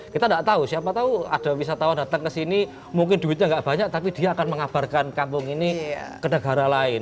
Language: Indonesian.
kita tidak tahu siapa tahu ada wisatawan datang ke sini mungkin duitnya nggak banyak tapi dia akan mengabarkan kampung ini ke negara lain